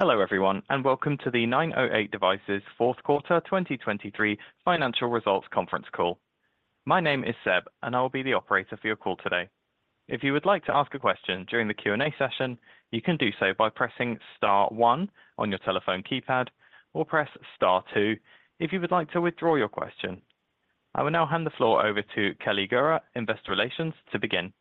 Hello everyone and welcome to the 908 Devices Fourth Quarter 2023 Financial Results Conference Call. My name is Seb and I will be the operator for your call today. If you would like to ask a question during the Q&A session, you can do so by pressing star one on your telephone keypad or press star two if you would like to withdraw your question. I will now hand the floor over to Kelly Gura, Investor Relations, to begin.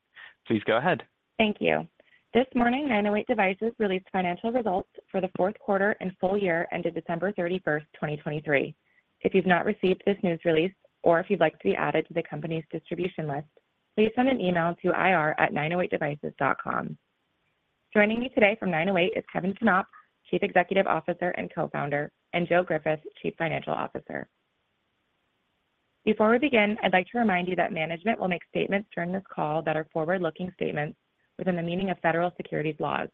Please go ahead. Thank you. This morning 908 Devices released financial results for the fourth quarter and full year ended December 31, 2023. If you've not received this news release or if you'd like to be added to the company's distribution list, please send an email to ir@908devices.com. Joining me today from 908 is Kevin Knopp, Chief Executive Officer and Co-Founder, and Joe Griffith, Chief Financial Officer. Before we begin, I'd like to remind you that management will make statements during this call that are forward-looking statements within the meaning of federal securities laws.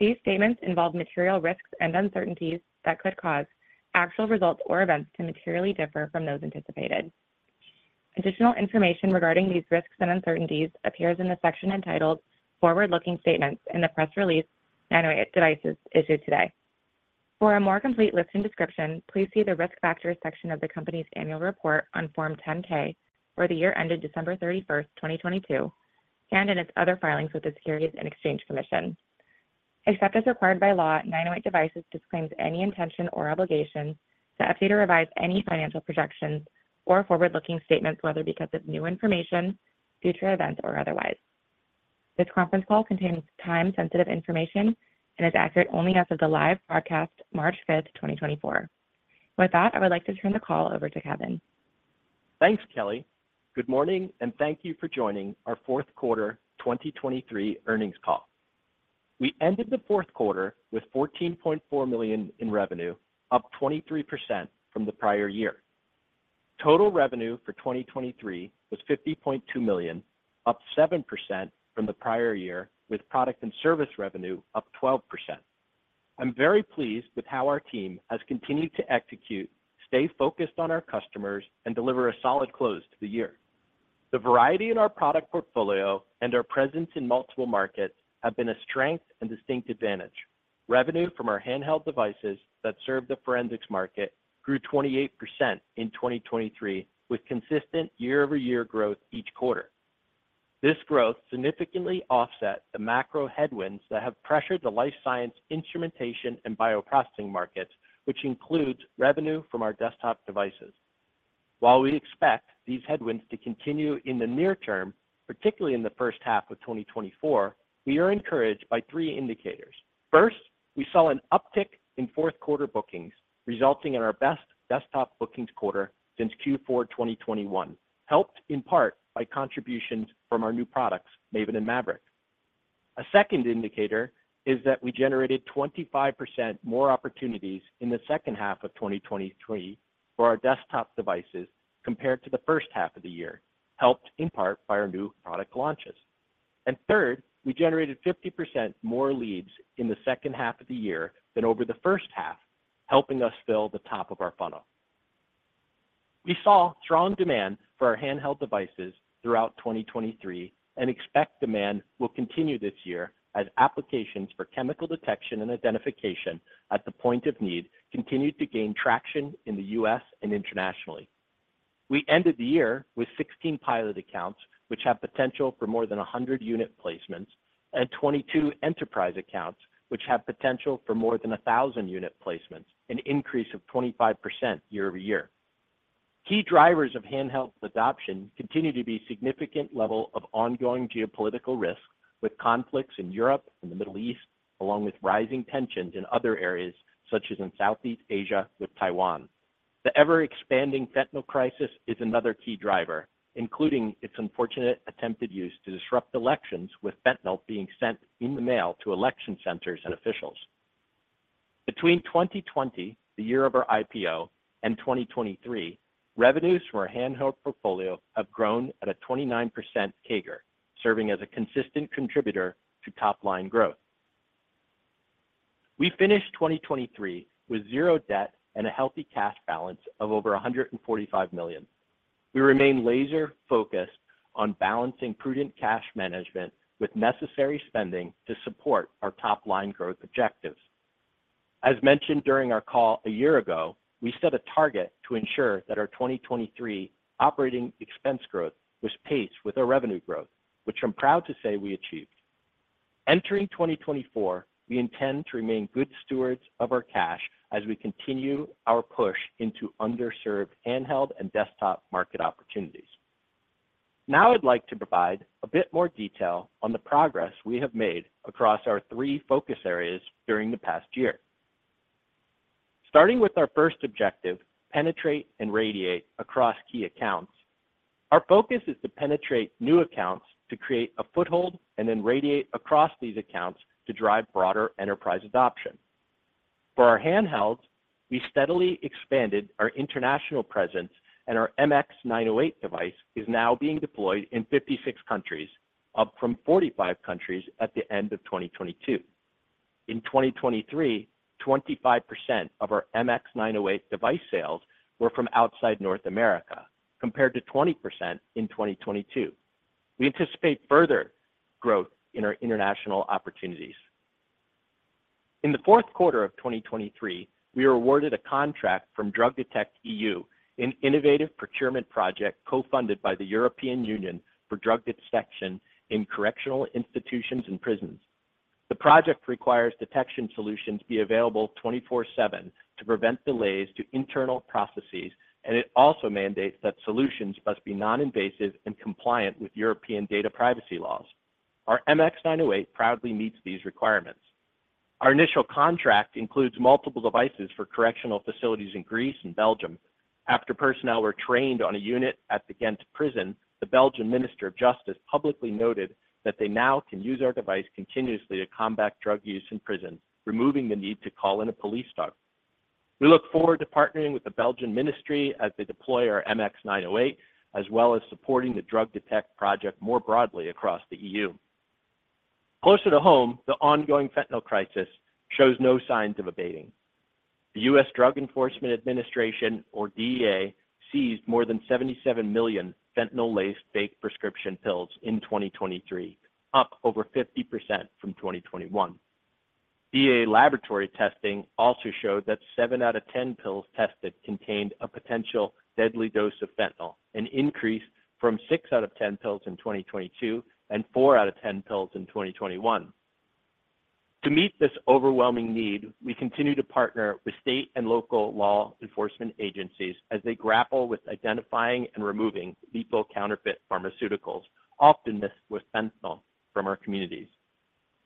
These statements involve material risks and uncertainties that could cause actual results or events to materially differ from those anticipated. Additional information regarding these risks and uncertainties appears in the section entitled "Forward-Looking Statements" in the press release 908 Devices issued today. For a more complete list and description, please see the risk factors section of the company's annual report on Form 10-K for the year ended December 31, 2022, and in its other filings with the Securities and Exchange Commission. Except as required by law, 908 Devices disclaims any intention or obligation to update or revise any financial projections or forward-looking statements, whether because of new information, future events, or otherwise. This conference call contains time-sensitive information and is accurate only as of the live broadcast, March 5, 2024. With that, I would like to turn the call over to Kevin. Thanks, Kelly. Good morning and thank you for joining our fourth quarter 2023 earnings call. We ended the fourth quarter with $14.4 million in revenue, up 23% from the prior year. Total revenue for 2023 was $50.2 million, up 7% from the prior year, with product and service revenue up 12%. I'm very pleased with how our team has continued to execute, stay focused on our customers, and deliver a solid close to the year. The variety in our product portfolio and our presence in multiple markets have been a strength and distinct advantage. Revenue from our handheld devices that serve the forensics market grew 28% in 2023, with consistent year-over-year growth each quarter. This growth significantly offset the macro headwinds that have pressured the life science, instrumentation, and bioprocessing markets, which includes revenue from our desktop devices. While we expect these headwinds to continue in the near term, particularly in the first half of 2024, we are encouraged by three indicators. First, we saw an uptick in fourth quarter bookings, resulting in our best desktop bookings quarter since Q4 2021, helped in part by contributions from our new products, Maven and Maverick. A second indicator is that we generated 25% more opportunities in the second half of 2023 for our desktop devices compared to the first half of the year, helped in part by our new product launches. And third, we generated 50% more leads in the second half of the year than over the first half, helping us fill the top of our funnel. We saw strong demand for our handheld devices throughout 2023 and expect demand will continue this year as applications for chemical detection and identification at the point of need continue to gain traction in the U.S. and internationally. We ended the year with 16 pilot accounts, which have potential for more than 100 unit placements, and 22 enterprise accounts, which have potential for more than 1,000 unit placements, an increase of 25% year-over-year. Key drivers of handheld adoption continue to be significant level of ongoing geopolitical risk with conflicts in Europe and the Middle East, along with rising tensions in other areas such as in Southeast Asia with Taiwan. The ever-expanding fentanyl crisis is another key driver, including its unfortunate attempted use to disrupt elections, with fentanyl being sent in the mail to election centers and officials. Between 2020, the year of our IPO, and 2023, revenues from our handheld portfolio have grown at a 29% CAGR, serving as a consistent contributor to top-line growth. We finished 2023 with zero debt and a healthy cash balance of over $145 million. We remain laser-focused on balancing prudent cash management with necessary spending to support our top-line growth objectives. As mentioned during our call a year ago, we set a target to ensure that our 2023 operating expense growth was paced with our revenue growth, which I'm proud to say we achieved. Entering 2024, we intend to remain good stewards of our cash as we continue our push into underserved handheld and desktop market opportunities. Now I'd like to provide a bit more detail on the progress we have made across our three focus areas during the past year. Starting with our first objective, penetrate and radiate across key accounts, our focus is to penetrate new accounts to create a foothold and then radiate across these accounts to drive broader enterprise adoption. For our handhelds, we steadily expanded our international presence, and our MX908 device is now being deployed in 56 countries, up from 45 countries at the end of 2022. In 2023, 25% of our MX908 device sales were from outside North America, compared to 20% in 2022. We anticipate further growth in our international opportunities. In the fourth quarter of 2023, we were awarded a contract from Drug Detect EU, an innovative procurement project co-funded by the European Union for Drug Detection in Correctional Institutions and Prisons. The project requires detection solutions be available 24/7 to prevent delays to internal processes, and it also mandates that solutions must be non-invasive and compliant with European data privacy laws. Our MX908 proudly meets these requirements. Our initial contract includes multiple devices for correctional facilities in Greece and Belgium. After personnel were trained on a unit at the Ghent prison, the Belgian Minister of Justice publicly noted that they now can use our device continuously to combat drug use in prisons, removing the need to call in a police dog. We look forward to partnering with the Belgian Ministry as they deploy our MX908, as well as supporting the Drug Detect project more broadly across the EU. Closer to home, the ongoing Fentanyl crisis shows no signs of abating. The U.S. Drug Enforcement Administration, or DEA, seized more than 77 million fentanyl-laced fake prescription pills in 2023, up over 50% from 2021. DEA laboratory testing also showed that seven out of 10 pills tested contained a potential deadly dose of fentanyl, an increase from six out of 10 pills in 2022 and four out of 10 pills in 2021. To meet this overwhelming need, we continue to partner with state and local law enforcement agencies as they grapple with identifying and removing lethal counterfeit pharmaceuticals, often mixed with fentanyl, from our communities.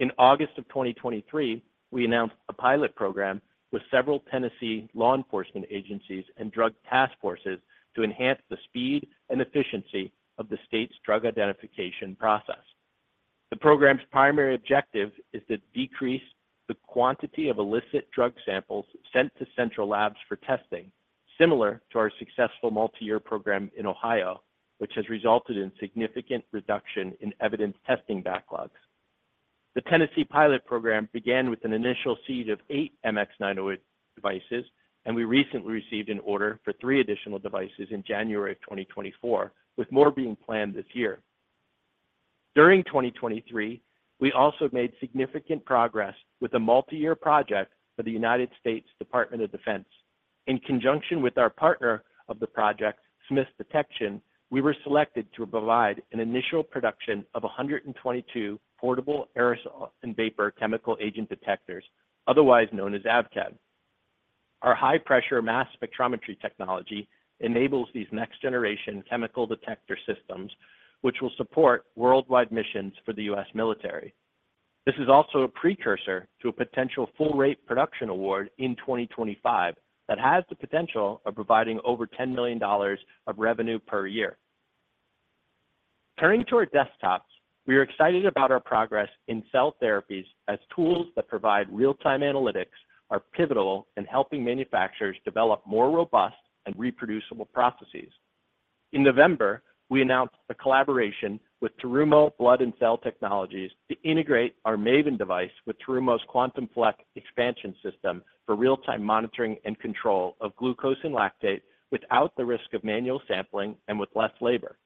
In August of 2023, we announced a pilot program with several Tennessee law enforcement agencies and drug task forces to enhance the speed and efficiency of the state's drug identification process. The program's primary objective is to decrease the quantity of illicit drug samples sent to central labs for testing, similar to our successful multi-year program in Ohio, which has resulted in significant reduction in evidence testing backlogs. The Tennessee pilot program began with an initial seed of eight MX908 devices, and we recently received an order for three additional devices in January of 2024, with more being planned this year. During 2023, we also made significant progress with a multi-year project for the United States Department of Defense. In conjunction with our partner of the project, Smiths Detection, we were selected to provide an initial production of 122 portable aerosol and vapor chemical agent detectors, otherwise known as AVCAD. Our high-pressure mass spectrometry technology enables these next-generation chemical detector systems, which will support worldwide missions for the U.S. military. This is also a precursor to a potential full-rate production award in 2025 that has the potential of providing over $10 million of revenue per year. Turning to our desktops, we are excited about our progress in cell therapies as tools that provide real-time analytics are pivotal in helping manufacturers develop more robust and reproducible processes. In November, we announced a collaboration with Terumo Blood and Cell Technologies to integrate our Maven device with Terumo's Quantum Flex expansion system for real-time monitoring and control of glucose and lactate without the risk of manual sampling and with less labor.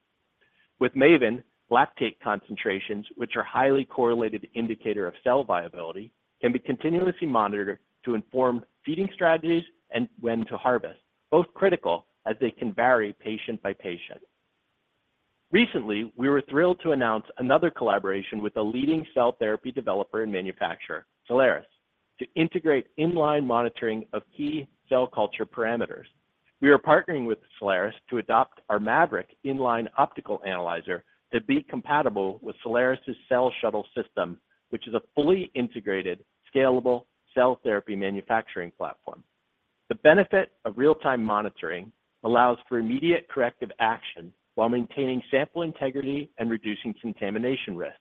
With Maven, lactate concentrations, which are highly correlated indicators of cell viability, can be continuously monitored to inform feeding strategies and when to harvest, both critical as they can vary patient by patient. Recently, we were thrilled to announce another collaboration with a leading cell therapy developer and manufacturer, Cellares, to integrate inline monitoring of key cell culture parameters. We are partnering with Cellares to adopt our Maverick inline optical analyzer to be compatible with Cellares's cell shuttle system, which is a fully integrated, scalable cell therapy manufacturing platform. The benefit of real-time monitoring allows for immediate corrective action while maintaining sample integrity and reducing contamination risk.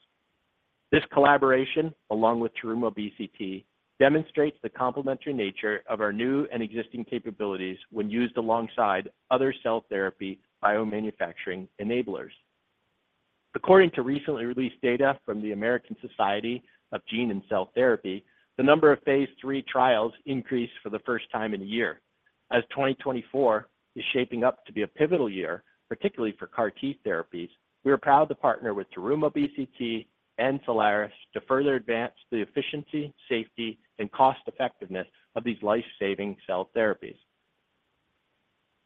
This collaboration, along with Terumo BCT, demonstrates the complementary nature of our new and existing capabilities when used alongside other cell therapy biomanufacturing enablers. According to recently released data from the American Society of Gene and Cell Therapy, the number of phase III trials increased for the first time in a year. As 2024 is shaping up to be a pivotal year, particularly for CAR-T therapies, we are proud to partner with Terumo BCT and Cellares to further advance the efficiency, safety, and cost-effectiveness of these life-saving cell therapies.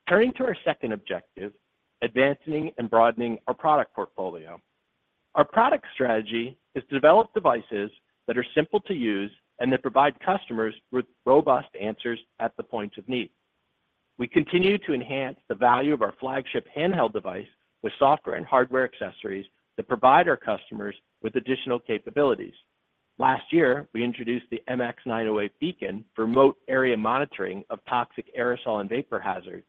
Turning to our second objective, advancing and broadening our product portfolio. Our product strategy is to develop devices that are simple to use and that provide customers with robust answers at the point of need. We continue to enhance the value of our flagship handheld device with software and hardware accessories that provide our customers with additional capabilities. Last year, we introduced the MX908 Beacon for remote area monitoring of toxic aerosol and vapor hazards.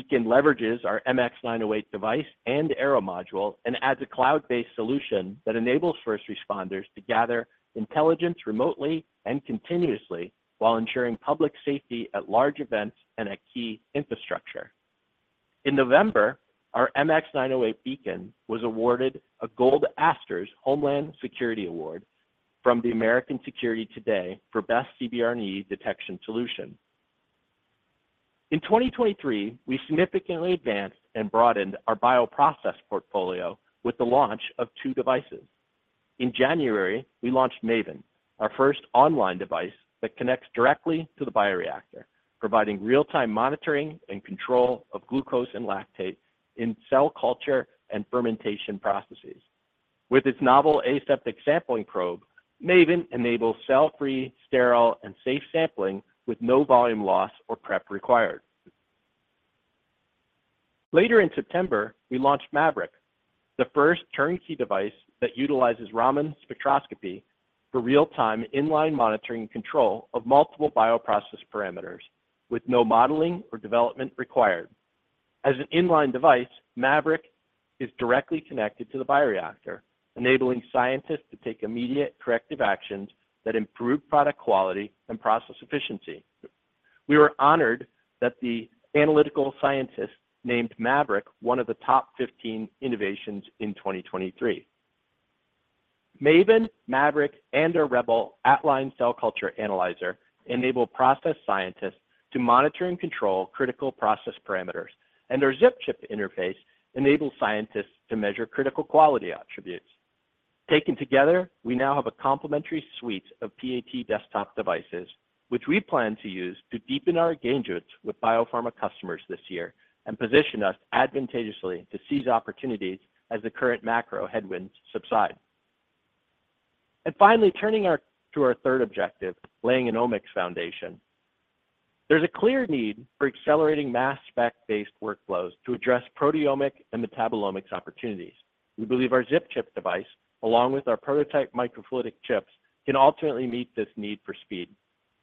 Beacon leverages our MX908 device and AeroModule and adds a cloud-based solution that enables first responders to gather intelligence remotely and continuously while ensuring public safety at large events and at key infrastructure. In November, our MX908 Beacon was awarded a Gold ASTORS Homeland Security Award from the American Security Today for Best CBRNE Detection Solution. In 2023, we significantly advanced and broadened our bioprocess portfolio with the launch of two devices. In January, we launched Maven, our first online device that connects directly to the bioreactor, providing real-time monitoring and control of glucose and lactate in cell culture and fermentation processes. With its novel aseptic sampling probe, Maven enables cell-free, sterile, and safe sampling with no volume loss or prep required. Later in September, we launched Maverick, the first turnkey device that utilizes Raman spectroscopy for real-time inline monitoring and control of multiple bioprocess parameters, with no modeling or development required. As an inline device, Maverick is directly connected to the bioreactor, enabling scientists to take immediate corrective actions that improve product quality and process efficiency. We were honored that The Analytical Scientist named Maverick one of the top 15 innovations in 2023. Maven, Maverick, and our Rebel at-line cell culture analyzer enable process scientists to monitor and control critical process parameters, and our ZipChip interface enables scientists to measure critical quality attributes. Taken together, we now have a complementary suite of PAT desktop devices, which we plan to use to deepen our engagement with biopharma customers this year and position us advantageously to seize opportunities as the current macro headwinds subside. And finally, turning to our third objective, laying an Omics foundation. There's a clear need for accelerating mass spec-based workflows to address proteomics and metabolomics opportunities. We believe our ZipChip device, along with our prototype microfluidic chips, can ultimately meet this need for speed.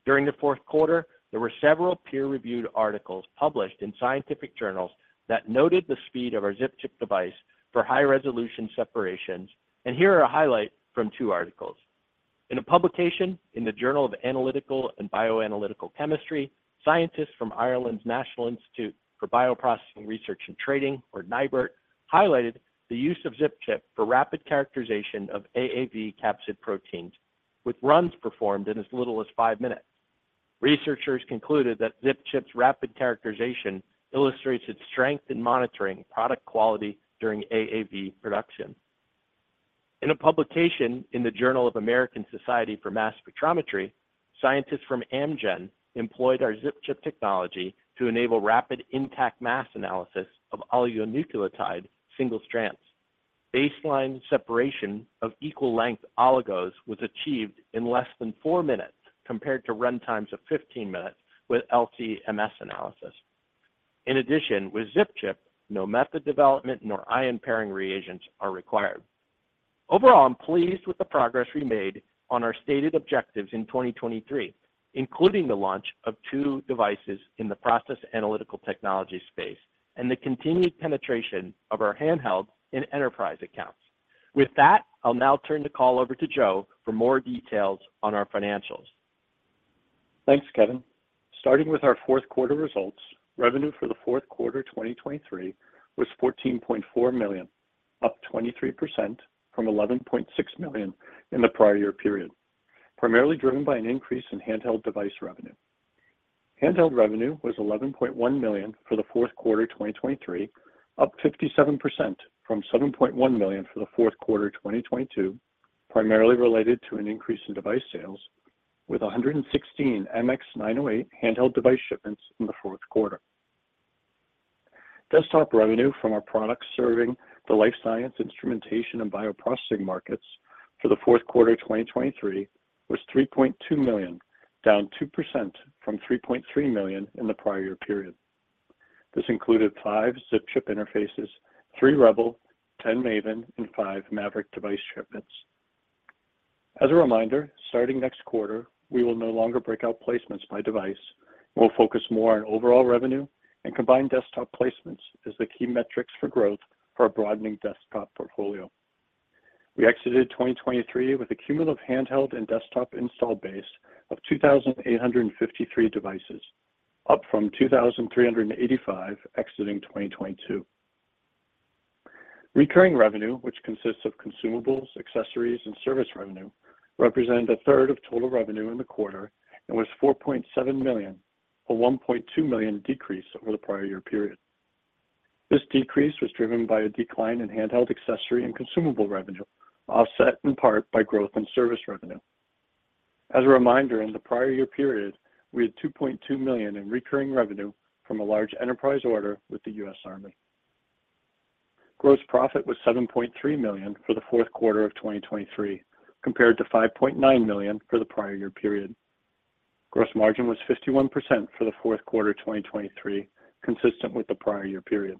During the fourth quarter, there were several peer-reviewed articles published in scientific journals that noted the speed of our ZipChip device for high-resolution separations, and here are a highlight from two articles. In a publication in the Journal of Analytical and Bioanalytical Chemistry, scientists from Ireland's National Institute for Bioprocessing Research and Training, or NIBRT, highlighted the use of ZipChip for rapid characterization of AAV capsid proteins, with runs performed in as little as five minutes. Researchers concluded that ZipChip's rapid characterization illustrates its strength in monitoring product quality during AAV production. In a publication in the Journal of the American Society for Mass Spectrometry, scientists from Amgen employed our ZipChip technology to enable rapid intact mass analysis of oligonucleotide single strands. Baseline separation of equal-length oligos was achieved in less than four minutes compared to run times of 15 minutes with LCMS analysis. In addition, with ZipChip, no method development nor ion pairing reagents are required. Overall, I'm pleased with the progress we made on our stated objectives in 2023, including the launch of two devices in the process analytical technology space and the continued penetration of our handhelds in enterprise accounts. With that, I'll now turn the call over to Joe for more details on our financials. Thanks, Kevin. Starting with our fourth quarter results, revenue for the fourth quarter 2023 was $14.4 million, up 23% from $11.6 million in the prior year period, primarily driven by an increase in handheld device revenue. Handheld revenue was $11.1 million for the fourth quarter 2023, up 57% from $7.1 million for the fourth quarter 2022, primarily related to an increase in device sales, with 116 MX908 handheld device shipments in the fourth quarter. Desktop revenue from our products serving the life science, instrumentation, and bioprocessing markets for the fourth quarter 2023 was $3.2 million, down 2% from $3.3 million in the prior year period. This included five ZipChip interfaces, three Rebel, ten Maven, and five Maverick device shipments. As a reminder, starting next quarter, we will no longer break out placements by device and will focus more on overall revenue and combine desktop placements as the key metrics for growth for our broadening desktop portfolio. We exited 2023 with a cumulative handheld and desktop install base of 2,853 devices, up from 2,385 exiting 2022. Recurring revenue, which consists of consumables, accessories, and service revenue, represented a third of total revenue in the quarter and was $4.7 million, a $1.2 million decrease over the prior year period. This decrease was driven by a decline in handheld accessory and consumable revenue, offset in part by growth in service revenue. As a reminder, in the prior year period, we had $2.2 million in recurring revenue from a large enterprise order with the U.S. Army. Gross profit was $7.3 million for the fourth quarter of 2023, compared to $5.9 million for the prior year period. Gross margin was 51% for the fourth quarter 2023, consistent with the prior year period.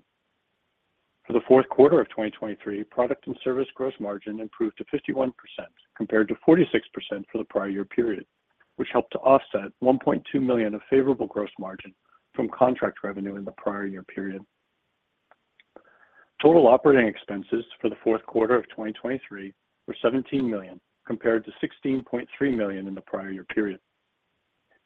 For the fourth quarter of 2023, product and service gross margin improved to 51%, compared to 46% for the prior year period, which helped to offset $1.2 million of favorable gross margin from contract revenue in the prior year period. Total operating expenses for the fourth quarter of 2023 were $17 million, compared to $16.3 million in the prior year period.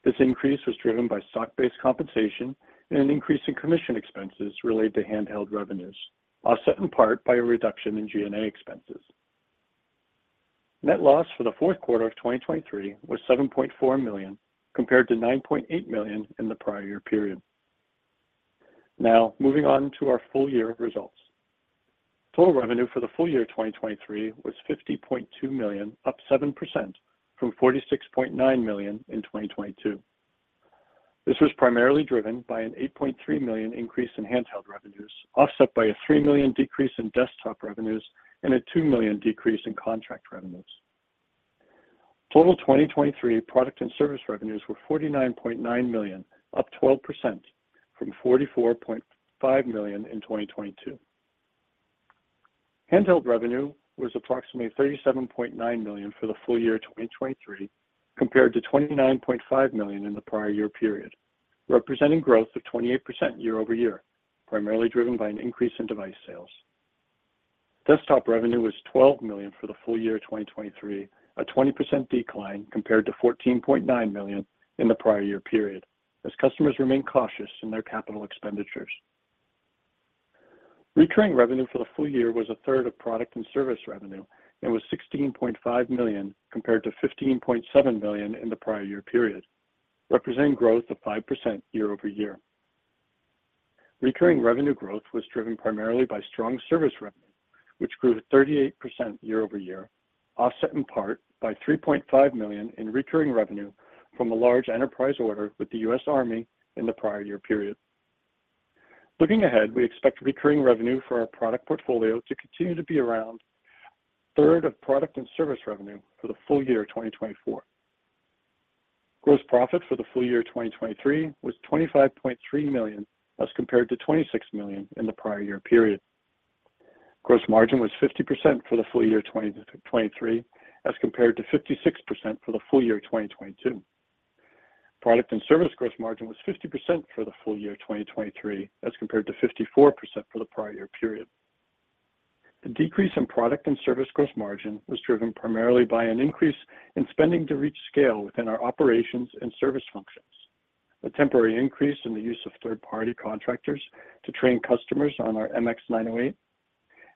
This increase was driven by stock-based compensation and an increase in commission expenses related to handheld revenues, offset in part by a reduction in G&A expenses. Net loss for the fourth quarter of 2023 was $7.4 million, compared to $9.8 million in the prior year period. Now, moving on to our full-year results. Total revenue for the full year 2023 was $50.2 million, up 7% from $46.9 million in 2022. This was primarily driven by an $8.3 million increase in handheld revenues, offset by a $3 million decrease in desktop revenues and a $2 million decrease in contract revenues. Total 2023 product and service revenues were $49.9 million, up 12% from $44.5 million in 2022. Handheld revenue was approximately $37.9 million for the full year 2023, compared to $29.5 million in the prior year period, representing growth of 28% year-over-year, primarily driven by an increase in device sales. Desktop revenue was $12 million for the full year 2023, a 20% decline compared to $14.9 million in the prior year period, as customers remain cautious in their capital expenditures. Recurring revenue for the full year was a third of product and service revenue and was $16.5 million, compared to $15.7 million in the prior year period, representing growth of 5% year-over-year. Recurring revenue growth was driven primarily by strong service revenue, which grew 38% year-over-year, offset in part by $3.5 million in recurring revenue from a large enterprise order with the U.S. Army in the prior year period. Looking ahead, we expect recurring revenue for our product portfolio to continue to be around a third of product and service revenue for the full year 2024. Gross profit for the full year 2023 was $25.3 million, as compared to $26 million in the prior year period. Gross margin was 50% for the full year 2023, as compared to 56% for the full year 2022. Product and service gross margin was 50% for the full year 2023, as compared to 54% for the prior year period. The decrease in product and service gross margin was driven primarily by an increase in spending to reach scale within our operations and service functions, a temporary increase in the use of third-party contractors to train customers on our MX908,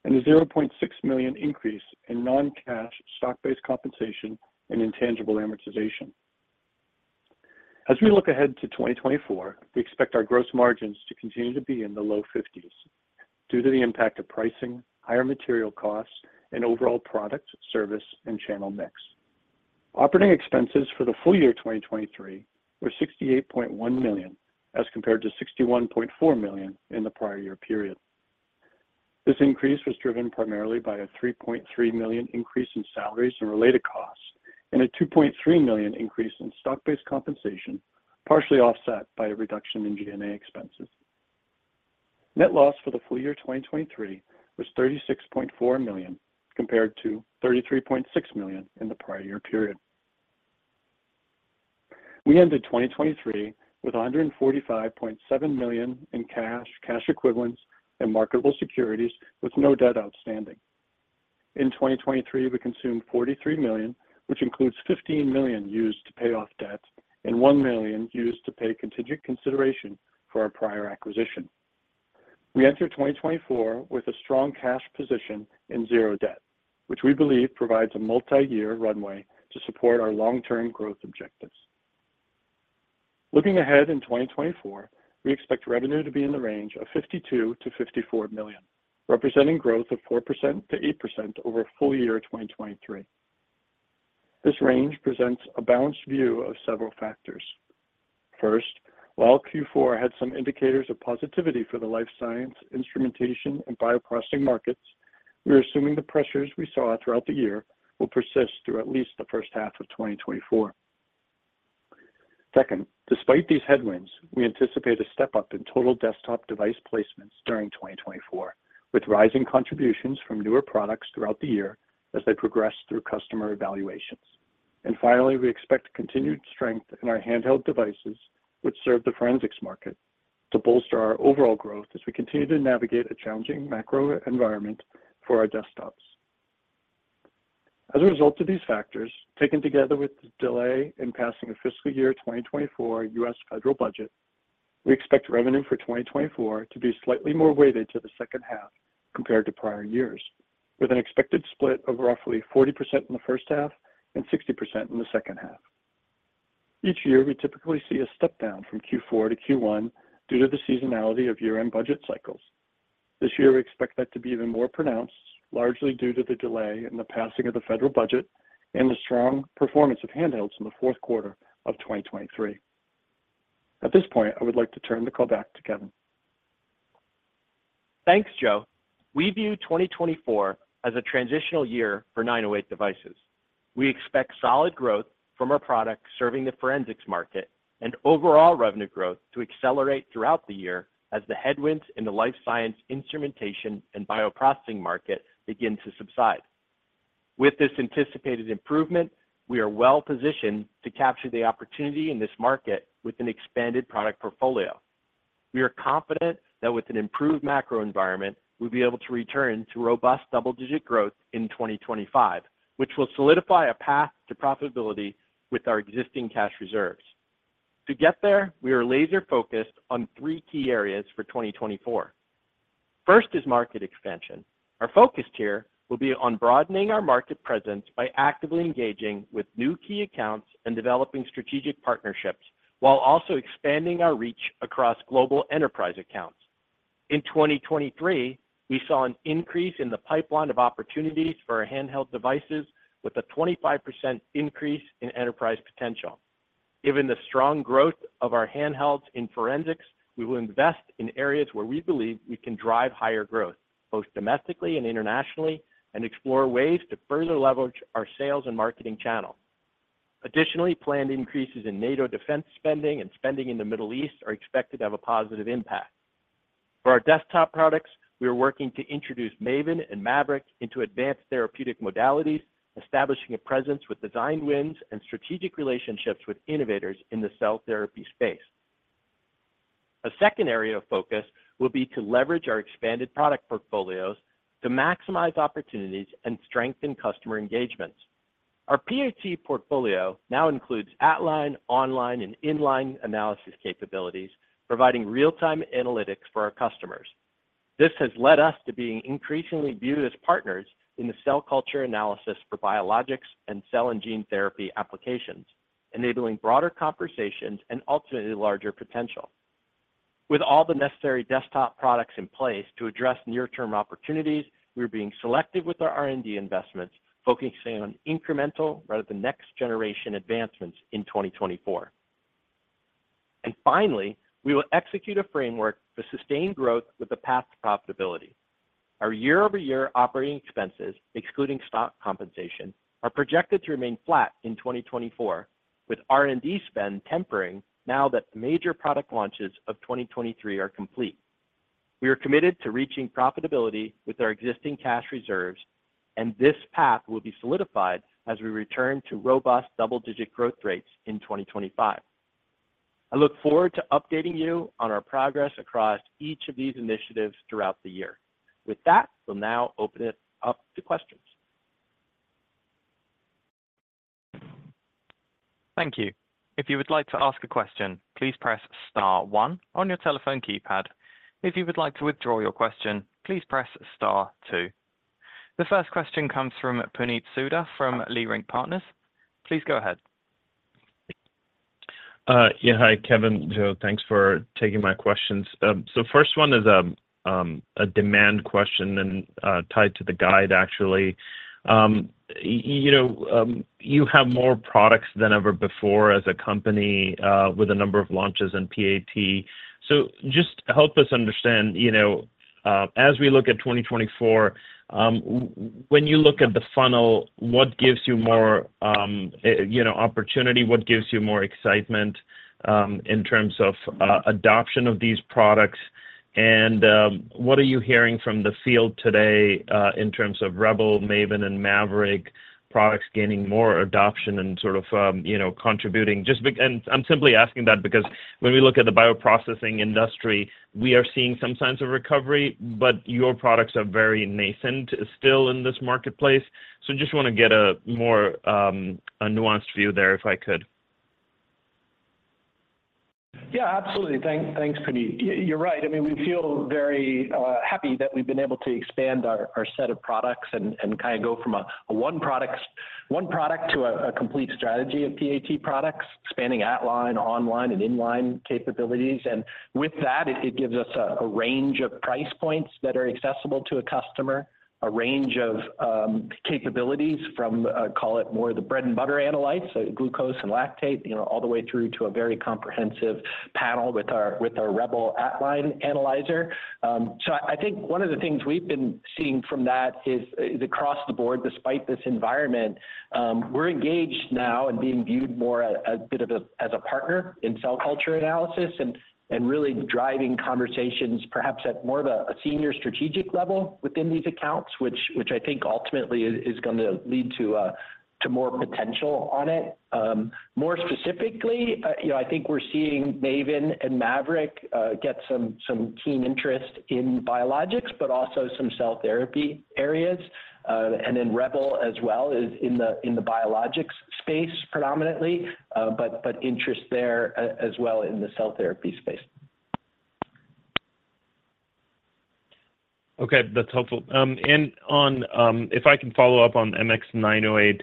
and a $0.6 million increase in non-cash stock-based compensation and intangible amortization. As we look ahead to 2024, we expect our gross margins to continue to be in the low 50s due to the impact of pricing, higher material costs, and overall product, service, and channel mix. Operating expenses for the full year 2023 were $68.1 million, as compared to $61.4 million in the prior year period. This increase was driven primarily by a $3.3 million increase in salaries and related costs and a $2.3 million increase in stock-based compensation, partially offset by a reduction in G&A expenses. Net loss for the full year 2023 was $36.4 million, compared to $33.6 million in the prior year period. We ended 2023 with $145.7 million in cash, cash equivalents, and marketable securities with no debt outstanding. In 2023, we consumed $43 million, which includes $15 million used to pay off debt and $1 million used to pay contingent consideration for our prior acquisition. We entered 2024 with a strong cash position in zero debt, which we believe provides a multi-year runway to support our long-term growth objectives. Looking ahead in 2024, we expect revenue to be in the range of $52 million-$54 million, representing growth of 4%-8% over full year 2023. This range presents a balanced view of several factors. First, while Q4 had some indicators of positivity for the life science, instrumentation, and bioprocessing markets, we are assuming the pressures we saw throughout the year will persist through at least the first half of 2024. Second, despite these headwinds, we anticipate a step-up in total desktop device placements during 2024, with rising contributions from newer products throughout the year as they progress through customer evaluations. Finally, we expect continued strength in our handheld devices, which serve the forensics market, to bolster our overall growth as we continue to navigate a challenging macro environment for our desktops. As a result of these factors, taken together with the delay in passing a fiscal year 2024 U.S. federal budget, we expect revenue for 2024 to be slightly more weighted to the second half compared to prior years, with an expected split of roughly 40% in the first half and 60% in the second half. Each year, we typically see a step-down from Q4 to Q1 due to the seasonality of year-end budget cycles. This year, we expect that to be even more pronounced, largely due to the delay in the passing of the federal budget and the strong performance of handhelds in the fourth quarter of 2023. At this point, I would like to turn the call back to Kevin. Thanks, Joe. We view 2024 as a transitional year for 908 Devices. We expect solid growth from our products serving the forensics market and overall revenue growth to accelerate throughout the year as the headwinds in the life science, instrumentation, and bioprocessing market begin to subside. With this anticipated improvement, we are well positioned to capture the opportunity in this market with an expanded product portfolio. We are confident that with an improved macro environment, we'll be able to return to robust double-digit growth in 2025, which will solidify a path to profitability with our existing cash reserves. To get there, we are laser-focused on three key areas for 2024. First is market expansion. Our focus here will be on broadening our market presence by actively engaging with new key accounts and developing strategic partnerships while also expanding our reach across global enterprise accounts. In 2023, we saw an increase in the pipeline of opportunities for our handheld devices, with a 25% increase in enterprise potential. Given the strong growth of our handhelds in forensics, we will invest in areas where we believe we can drive higher growth, both domestically and internationally, and explore ways to further leverage our sales and marketing channels. Additionally, planned increases in NATO defense spending and spending in the Middle East are expected to have a positive impact. For our desktop products, we are working to introduce Maven and Maverick into advanced therapeutic modalities, establishing a presence with design wins and strategic relationships with innovators in the cell therapy space. A second area of focus will be to leverage our expanded product portfolios to maximize opportunities and strengthen customer engagements. Our PAT portfolio now includes at-line, online, and in-line analysis capabilities, providing real-time analytics for our customers. This has led us to being increasingly viewed as partners in the cell culture analysis for biologics and cell and gene therapy applications, enabling broader conversations and ultimately larger potential. With all the necessary desktop products in place to address near-term opportunities, we are being selective with our R&D investments, focusing on incremental rather than next-generation advancements in 2024. And finally, we will execute a framework for sustained growth with a path to profitability. Our year-over-year operating expenses, excluding stock compensation, are projected to remain flat in 2024, with R&D spend tempering now that the major product launches of 2023 are complete. We are committed to reaching profitability with our existing cash reserves, and this path will be solidified as we return to robust double-digit growth rates in 2025. I look forward to updating you on our progress across each of these initiatives throughout the year. With that, we'll now open it up to questions. Thank you. If you would like to ask a question, please press star one on your telephone keypad. If you would like to withdraw your question, please press star two. The first question comes from Puneet Souda from Leerink Partners. Please go ahead. Yeah, hi, Kevin, Joe. Thanks for taking my questions. So first one is a demand question and tied to the guide, actually. You have more products than ever before as a company with a number of launches and PAT. So just help us understand, as we look at 2024, when you look at the funnel, what gives you more opportunity? What gives you more excitement in terms of adoption of these products? And what are you hearing from the field today in terms of Rebel, Maven, and Maverick products gaining more adoption and sort of contributing? And I'm simply asking that because when we look at the bioprocessing industry, we are seeing some signs of recovery, but your products are very nascent still in this marketplace. So I just want to get a more nuanced view there if I could. Yeah, absolutely. Thanks, Puneet. You're right. I mean, we feel very happy that we've been able to expand our set of products and kind of go from a one product to a complete strategy of PAT products, spanning at-line, online, and in-line capabilities. And with that, it gives us a range of price points that are accessible to a customer, a range of capabilities from, call it more the bread-and-butter analytes, glucose and lactate, all the way through to a very comprehensive panel with our Rebel at-line analyzer. So I think one of the things we've been seeing from that is across the board, despite this environment, we're engaged now and being viewed more a bit as a partner in cell culture analysis and really driving conversations, perhaps at more of a senior strategic level within these accounts, which I think ultimately is going to lead to more potential on it. More specifically, I think we're seeing Maven and Maverick get some keen interest in biologics, but also some cell therapy areas. And then Rebel as well is in the biologics space predominantly, but interest there as well in the cell therapy space. Okay, that's helpful. And if I can follow up on MX908,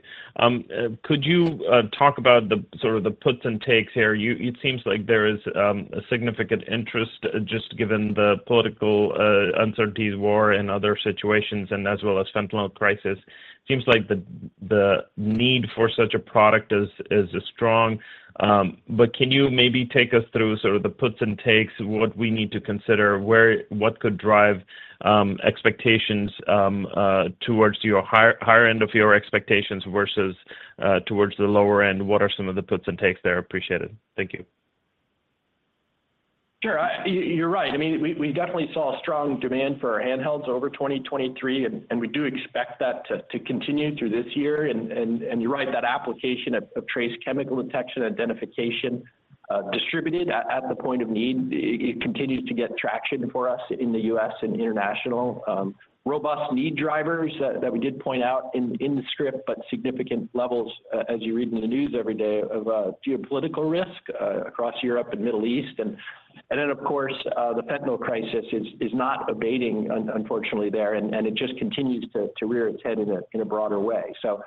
could you talk about sort of the puts and takes here? It seems like there is a significant interest just given the political uncertainties, war, and other situations, and as well as fentanyl crisis. It seems like the need for such a product is strong. But can you maybe take us through sort of the puts and takes, what we need to consider, what could drive expectations towards the higher end of your expectations versus towards the lower end? What are some of the puts and takes there? Appreciate it. Thank you. Sure. You're right. I mean, we definitely saw a strong demand for our handhelds over 2023, and we do expect that to continue through this year. And you're right, that application of trace chemical detection identification distributed at the point of need, it continues to get traction for us in the U.S. and international. Robust need drivers that we did point out in the script, but significant levels, as you read in the news every day, of geopolitical risk across Europe and Middle East. And then, of course, the Fentanyl crisis is not abating, unfortunately, there, and it just continues to rear its head in a broader way. So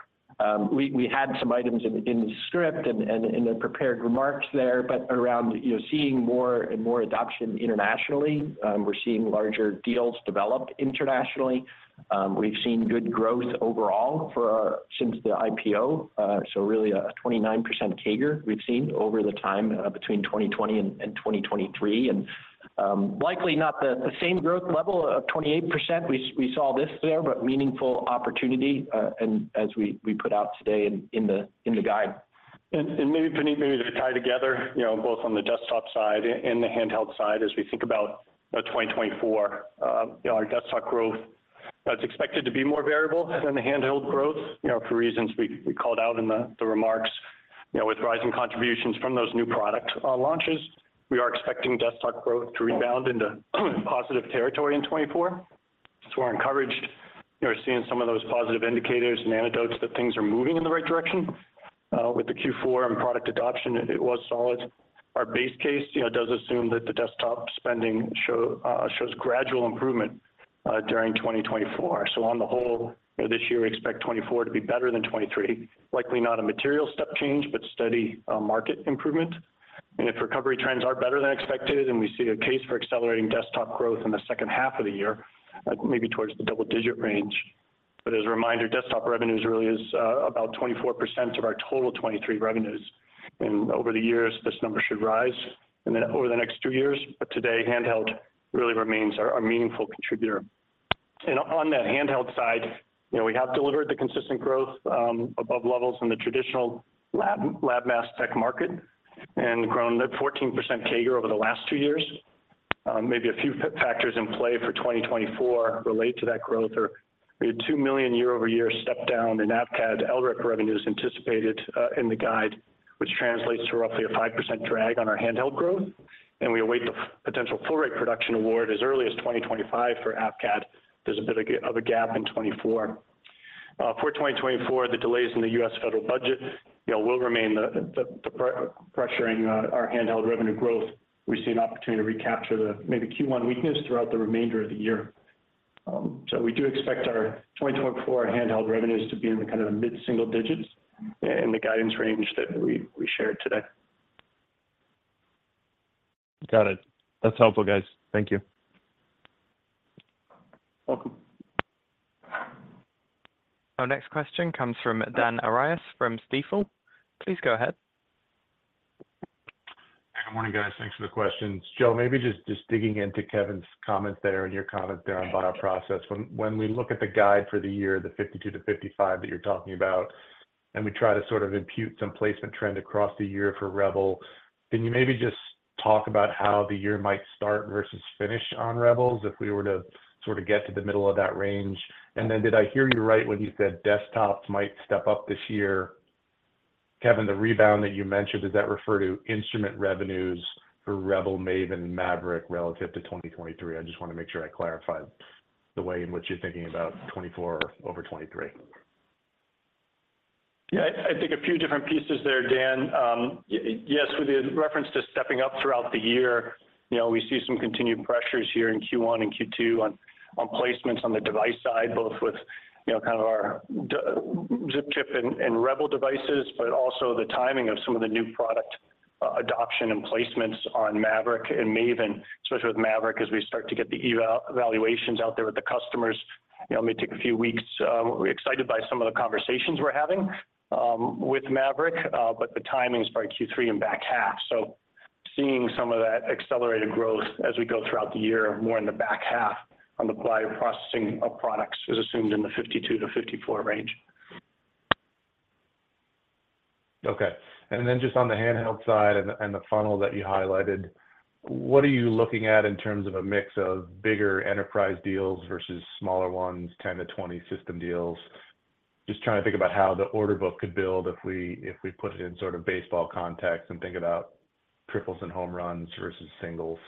we had some items in the script and in the prepared remarks there, but around seeing more and more adoption internationally, we're seeing larger deals develop internationally. We've seen good growth overall since the IPO, so really a 29% CAGR we've seen over the time between 2020 and 2023. Likely not the same growth level of 28%. We saw this there, but meaningful opportunity, as we put out today in the guide. Maybe, Puneet, maybe to tie together both on the desktop side and the handheld side as we think about 2024, our desktop growth is expected to be more variable than the handheld growth for reasons we called out in the remarks. With rising contributions from those new product launches, we are expecting desktop growth to rebound into positive territory in 2024. So we're encouraged seeing some of those positive indicators and anecdotes that things are moving in the right direction. With the Q4 and product adoption, it was solid. Our base case does assume that the desktop spending shows gradual improvement during 2024. So on the whole, this year, we expect 2024 to be better than 2023, likely not a material step change, but steady market improvement. If recovery trends are better than expected and we see a case for accelerating desktop growth in the second half of the year, maybe towards the double-digit range. As a reminder, desktop revenues really is about 24% of our total 2023 revenues. Over the years, this number should rise over the next two years. Today, handheld really remains our meaningful contributor. On that handheld side, we have delivered the consistent growth above levels in the traditional lab mass tech market and grown at 14% CAGR over the last two years. Maybe a few factors in play for 2024 relate to that growth. We had a $2 million year-over-year step-down in AVCAD LRIP revenues anticipated in the guide, which translates to roughly a 5% drag on our handheld growth. We await the potential full-rate production award as early as 2025 for AVCAD. There's a bit of a gap in 2024. For 2024, the delays in the U.S. federal budget will remain pressuring our handheld revenue growth. We see an opportunity to recapture the maybe Q1 weakness throughout the remainder of the year. We do expect our 2024 handheld revenues to be in the kind of mid-single digits in the guidance range that we shared today. Got it. That's helpful, guys. Thank you. Welcome. Our next question comes from Dan Arias from Stifel. Please go ahead. Hey, good morning, guys. Thanks for the questions. Joe, maybe just digging into Kevin's comments there and your comments there on bioprocess. When we look at the guide for the year, the $52-$55 that you're talking about, and we try to sort of impute some placement trend across the year for Rebel, can you maybe just talk about how the year might start versus finish on Rebels if we were to sort of get to the middle of that range? And then did I hear you right when you said desktops might step up this year? Kevin, the rebound that you mentioned, does that refer to instrument revenues for Rebel, Maven, and Maverick relative to 2023? I just want to make sure I clarified the way in which you're thinking about 2024 over 2023. Yeah, I think a few different pieces there, Dan. Yes, with the reference to stepping up throughout the year, we see some continued pressures here in Q1 and Q2 on placements on the device side, both with kind of our ZipChip and Rebel devices, but also the timing of some of the new product adoption and placements on Maverick and Maven, especially with Maverick as we start to get the evaluations out there with the customers. It may take a few weeks. We're excited by some of the conversations we're having with Maverick, but the timing is probably Q3 and back half. So seeing some of that accelerated growth as we go throughout the year more in the back half on the bioprocessing of products is assumed in the $52-$54 range. Okay. And then just on the handheld side and the funnel that you highlighted, what are you looking at in terms of a mix of bigger enterprise deals versus smaller ones, 10-20 system deals? Just trying to think about how the order book could build if we put it in sort of baseball context and think about triples and home runs versus singles.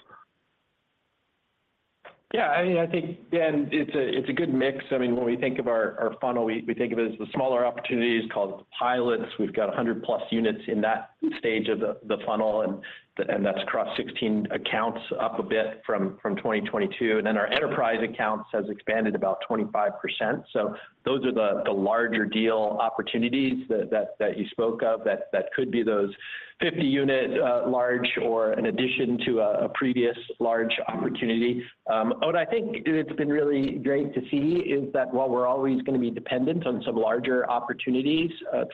Yeah, I mean, I think, Dan, it's a good mix. I mean, when we think of our funnel, we think of it as the smaller opportunities called pilots. We've got 100-plus units in that stage of the funnel, and that's across 16 accounts up a bit from 2022. And then our enterprise accounts have expanded about 25%. So those are the larger deal opportunities that you spoke of that could be those 50-unit large or in addition to a previous large opportunity. What I think it's been really great to see is that while we're always going to be dependent on some larger opportunities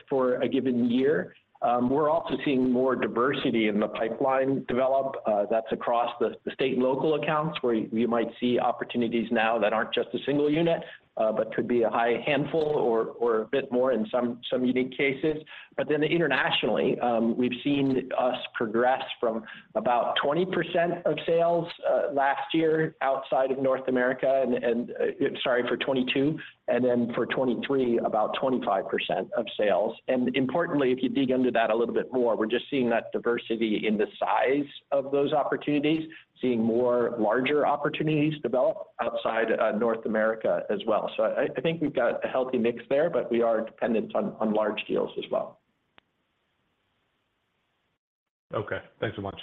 for a given year, we're also seeing more diversity in the pipeline develop. That's across the state and local accounts where you might see opportunities now that aren't just a single unit, but could be a high handful or a bit more in some unique cases. But then internationally, we've seen us progress from about 20% of sales last year outside of North America and sorry, for 2022, and then for 2023, about 25% of sales. And importantly, if you dig under that a little bit more, we're just seeing that diversity in the size of those opportunities, seeing more larger opportunities develop outside North America as well. So I think we've got a healthy mix there, but we are dependent on large deals as well. Okay. Thanks so much.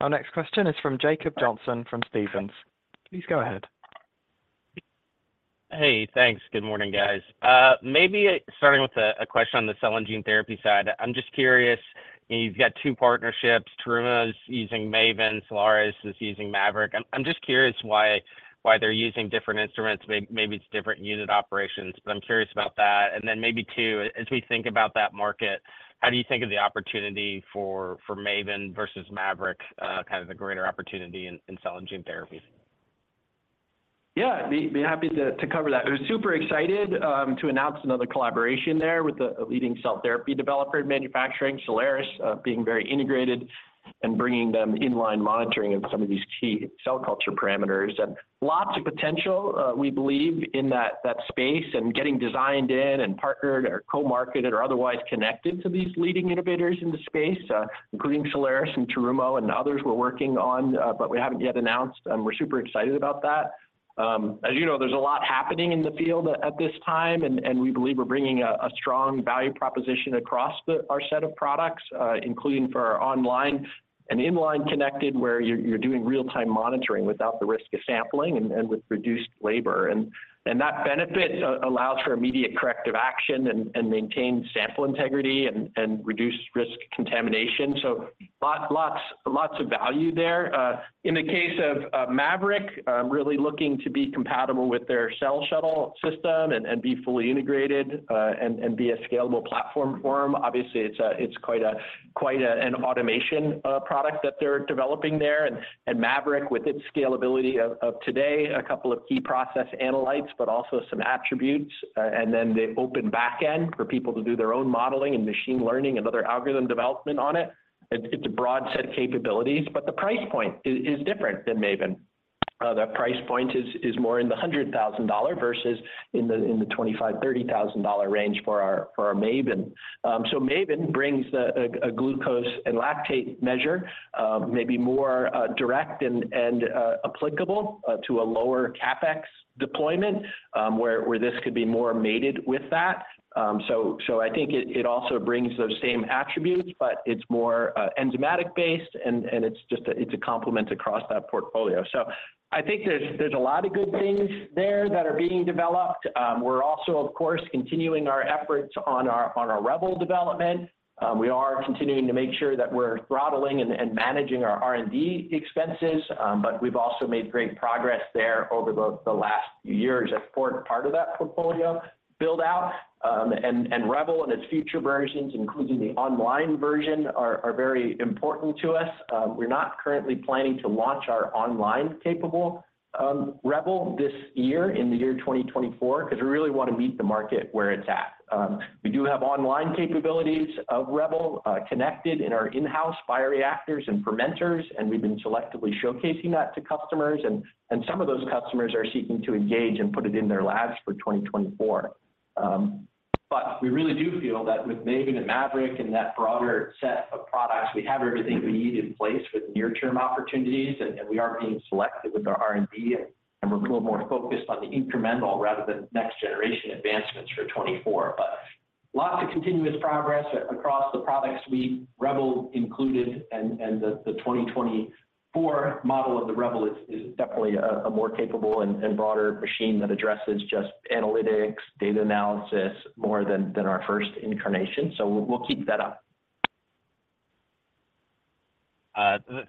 Our next question is from Jacob Johnson from Stephens. Please go ahead. Hey, thanks. Good morning, guys. Maybe starting with a question on the cell and gene therapy side. I'm just curious. You've got two partnerships. Terumo is using Maven. Cellares is using Maverick. I'm just curious why they're using different instruments. Maybe it's different unit operations, but I'm curious about that. And then maybe two, as we think about that market, how do you think of the opportunity for Maven versus Maverick, kind of the greater opportunity in cell and gene therapy? Yeah, I'd be happy to cover that. I was super excited to announce another collaboration there with the leading cell therapy developer and manufacturing, Cellares, being very integrated and bringing them inline monitoring of some of these key cell culture parameters. Lots of potential, we believe, in that space and getting designed in and partnered or co-marketed or otherwise connected to these leading innovators in the space, including Cellares and Terumo and others we're working on, but we haven't yet announced. We're super excited about that. As you know, there's a lot happening in the field at this time, and we believe we're bringing a strong value proposition across our set of products, including for our online and inline connected where you're doing real-time monitoring without the risk of sampling and with reduced labor. That benefit allows for immediate corrective action and maintained sample integrity and reduced risk contamination. So lots of value there. In the case of Maverick, really looking to be compatible with their Cell Shuttle system and be fully integrated and be a scalable platform for them. Obviously, it's quite an automation product that they're developing there. Maverick, with its scalability of today, a couple of key process analytes, but also some attributes, and then the open backend for people to do their own modeling and machine learning and other algorithm development on it. It's a broad set of capabilities, but the price point is different than Maven. The price point is more in the $100,000 versus in the $25,000-$30,000 range for our Maven. So Maven brings a glucose and lactate measure, maybe more direct and applicable to a lower CapEx deployment where this could be more mated with that. So I think it also brings those same attributes, but it's more enzymatic-based, and it's a complement across that portfolio. So I think there's a lot of good things there that are being developed. We're also, of course, continuing our efforts on our Rebel development. We are continuing to make sure that we're throttling and managing our R&D expenses, but we've also made great progress there over the last few years as part of that portfolio build-out. And Rebel and its future versions, including the online version, are very important to us. We're not currently planning to launch our online-capable Rebel this year in the year 2024 because we really want to meet the market where it's at. We do have online capabilities of Rebel connected in our in-house bioreactors and fermentors, and we've been selectively showcasing that to customers. Some of those customers are seeking to engage and put it in their labs for 2024. We really do feel that with Maven and Maverick and that broader set of products, we have everything we need in place with near-term opportunities, and we are being selective with our R&D, and we're a little more focused on the incremental rather than next-generation advancements for 2024. Lots of continuous progress across the products Rebel included, and the 2024 model of the Rebel is definitely a more capable and broader machine that addresses just analytics, data analysis more than our first incarnation. We'll keep that up.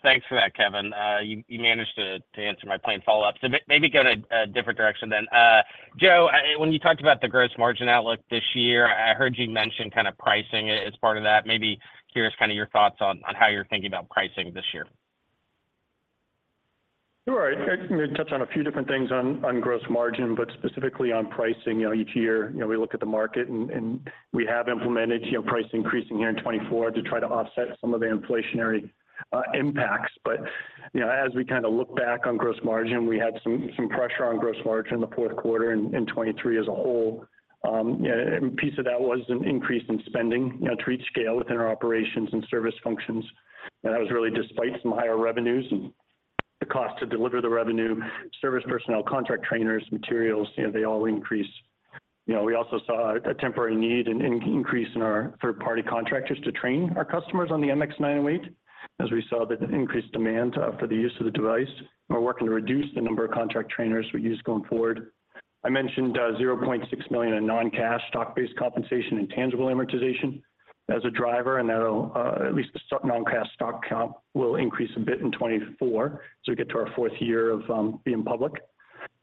Thanks for that, Kevin. You managed to answer my plain follow-up. So maybe go in a different direction then. Joe, when you talked about the gross margin outlook this year, I heard you mention kind of pricing as part of that. Maybe curious kind of your thoughts on how you're thinking about pricing this year? Sure. I think I can touch on a few different things on gross margin, but specifically on pricing. Each year, we look at the market, and we have implemented price increases here in 2024 to try to offset some of the inflationary impacts. But as we kind of look back on gross margin, we had some pressure on gross margin in the fourth quarter in 2023 as a whole. A piece of that was an increase in spending to scale within our operations and service functions. And that was really despite some higher revenues and the cost to deliver the revenue. Service personnel, contract trainers, materials, they all increase. We also saw a temporary need and increase in our third-party contractors to train our customers on the MX908 as we saw the increased demand for the use of the device. We're working to reduce the number of contract trainers we use going forward. I mentioned $0.6 million in non-cash stock-based compensation and tangible amortization as a driver, and that'll at least the non-cash stock count will increase a bit in 2024 as we get to our fourth year of being public.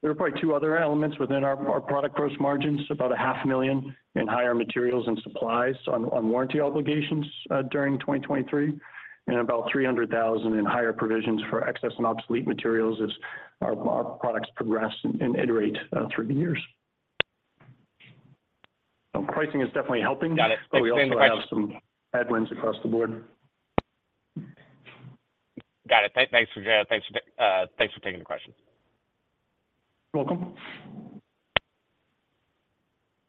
There are probably two other elements within our product gross margins, about $500,000 in higher materials and supplies on warranty obligations during 2023, and about $300,000 in higher provisions for excess and obsolete materials as our products progress and iterate through the years. So pricing is definitely helping. Got it. Thanks for saying that. But we also have some headwinds across the board. Got it. Thanks for taking the question. Welcome.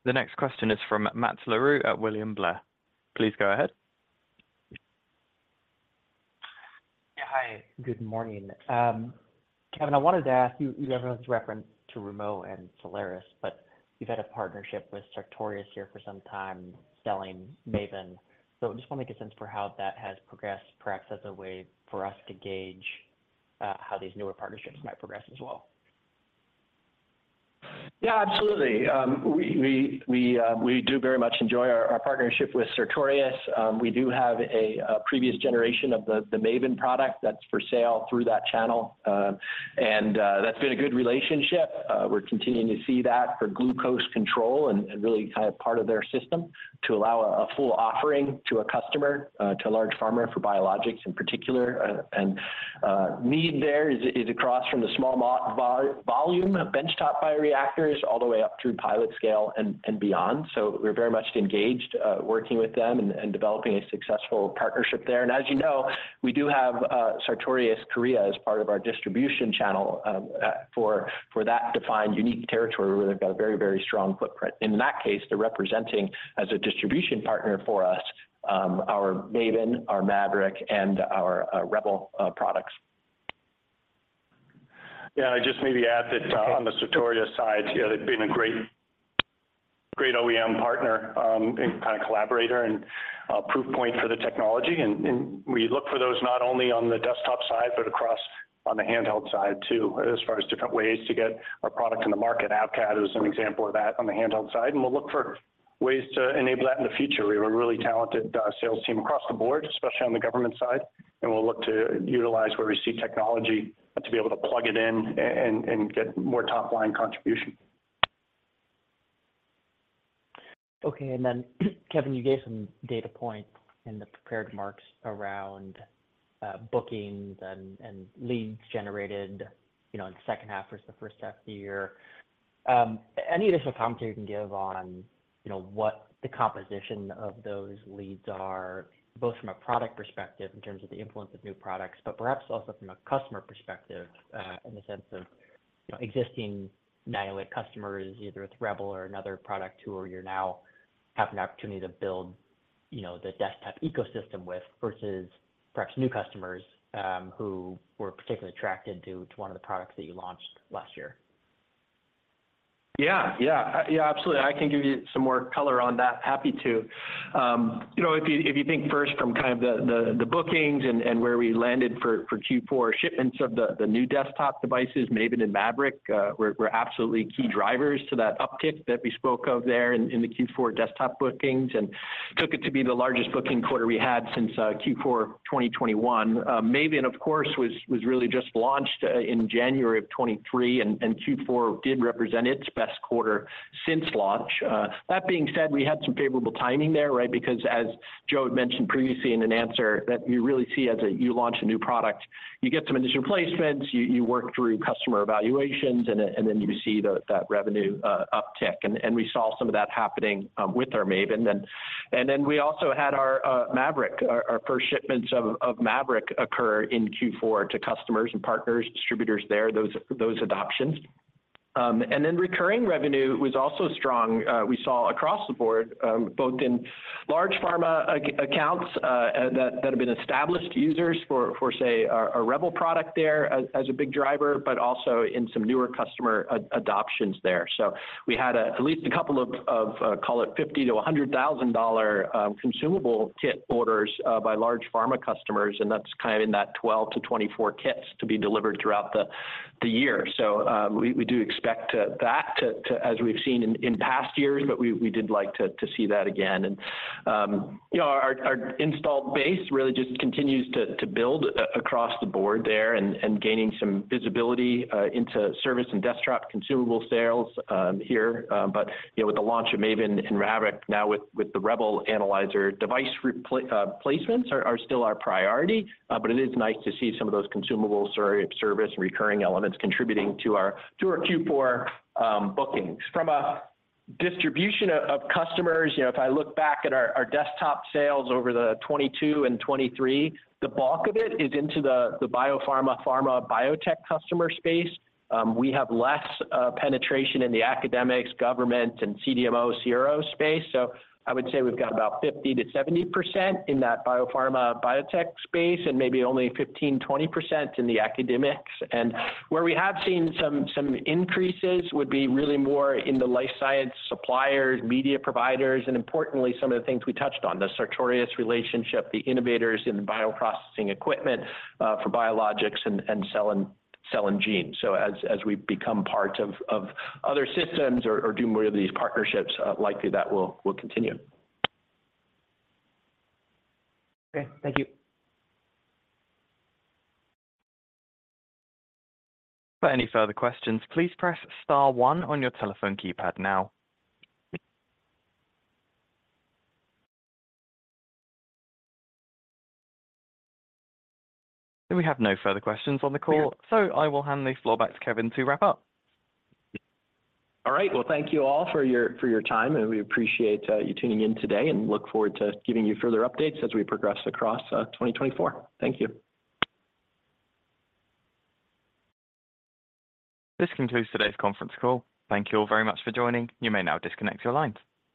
The next question is from Matt Larew at William Blair. Please go ahead. Yeah, hi. Good morning. Kevin, I wanted to ask you referenced reference to Remo and Cellares, but you've had a partnership with Sartorius here for some time selling Maven. So I just want to make a sense for how that has progressed, perhaps as a way for us to gauge how these newer partnerships might progress as well. Yeah, absolutely. We do very much enjoy our partnership with Sartorius. We do have a previous generation of the Maven product that's for sale through that channel. That's been a good relationship. We're continuing to see that for glucose control and really kind of part of their system to allow a full offering to a customer, to a large pharma for biologics in particular. And need there is across from the small volume benchtop bioreactors all the way up through pilot scale and beyond. So we're very much engaged working with them and developing a successful partnership there. And as you know, we do have Sartorius Korea as part of our distribution channel for that defined unique territory where they've got a very, very strong footprint. And in that case, they're representing as a distribution partner for us our Maven, our Maverick, and our Rebel products. Yeah, I just maybe add that on the Sartorius side, they've been a great OEM partner and kind of collaborator and proof point for the technology. We look for those not only on the desktop side, but across on the handheld side too as far as different ways to get our product in the market. AVCAD was an example of that on the handheld side. We'll look for ways to enable that in the future. We have a really talented sales team across the board, especially on the government side. We'll look to utilize where we see technology to be able to plug it in and get more top-line contribution. Okay. And then, Kevin, you gave some data points in the prepared remarks around bookings and leads generated in the second half versus the first half of the year. Any additional commentary you can give on what the composition of those leads are, both from a product perspective in terms of the influence of new products, but perhaps also from a customer perspective in the sense of existing 908 customers, either with Rebel or another product who you now have an opportunity to build the desktop ecosystem with versus perhaps new customers who were particularly attracted to one of the products that you launched last year? Yeah, yeah, yeah, absolutely. I can give you some more color on that, happy to. If you think first from kind of the bookings and where we landed for Q4 shipments of the new desktop devices, Maven and Maverick were absolutely key drivers to that uptick that we spoke of there in the Q4 desktop bookings and took it to be the largest booking quarter we had since Q4 2021. Maven, of course, was really just launched in January of 2023, and Q4 did represent its best quarter since launch. That being said, we had some favorable timing there, right? Because as Joe had mentioned previously in an answer that you really see as you launch a new product, you get some initial placements, you work through customer evaluations, and then you see that revenue uptick. And we saw some of that happening with our Maven. Then we also had our Maverick, our first shipments of Maverick occur in Q4 to customers and partners, distributors there, those adoptions. Recurring revenue was also strong. We saw across the board, both in large pharma accounts that have been established users for, say, a Rebel product there as a big driver, but also in some newer customer adoptions there. So we had at least a couple of, call it, $50,000-$100,000 consumable kit orders by large pharma customers. And that's kind of in that 12-24 kits to be delivered throughout the year. So we do expect that as we've seen in past years, but we did like to see that again. And our installed base really just continues to build across the board there and gaining some visibility into service and desktop consumable sales here. But with the launch of Maven and Maverick, now with the Rebel analyzer, device replacements are still our priority, but it is nice to see some of those consumable service and recurring elements contributing to our Q4 bookings. From a distribution of customers, if I look back at our desktop sales over the 2022 and 2023, the bulk of it is into the biopharma, pharma, biotech customer space. We have less penetration in the academics, government, and CDMO, CRO space. So I would say we've got about 50%-70% in that biopharma, biotech space and maybe only 15%-20% in the academics. And where we have seen some increases would be really more in the life science suppliers, media providers, and importantly, some of the things we touched on, the Sartorius relationship, the innovators in bioprocessing equipment for biologics and cell and gene. So as we become part of other systems or do more of these partnerships, likely that will continue. Okay. Thank you. For any further questions, please press star one on your telephone keypad now. We have no further questions on the call. I will hand the floor back to Kevin to wrap up. All right. Well, thank you all for your time, and we appreciate you tuning in today and look forward to giving you further updates as we progress across 2024. Thank you. This concludes today's conference call. Thank you all very much for joining. You may now disconnect your lines.